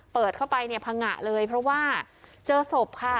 เปิดเข้าไปเนี่ยพังงะเลยเพราะว่าเจอศพค่ะ